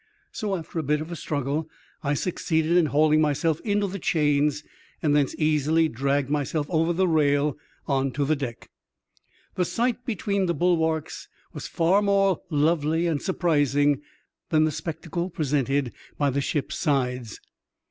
So, after a bit of a struggle, I succeeded in hauling myself into the chains, and thence easily dragged myself over the rail on to the deck. The sight between the bulwarks was far more lovely and surprising than the spectacle presented by the ship's sides.